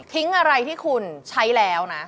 อะไรที่คุณใช้แล้วนะ